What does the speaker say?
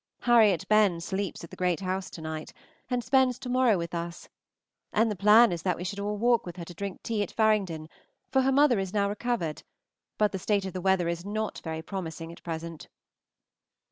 Harriet Benn sleeps at the Great House to night, and spends to morrow with us; and the plan is that we should all walk with her to drink tea at Faringdon, for her mother is now recovered; but the state of the weather is not very promising at present.